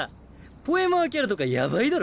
ポエマーキャラとかやばいだろ。